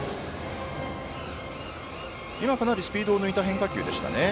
今、かなりスピードを抜いた変化球でしたね。